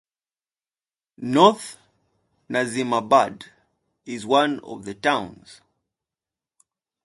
North Nazimabad is one of the towns.